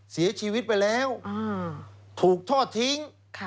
เสียชีวิตไปแล้วถูกทอดทิ้ง